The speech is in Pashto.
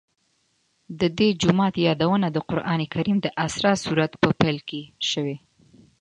د دې جومات یادونه د قرآن کریم د اسراء سورت په پیل کې شوې.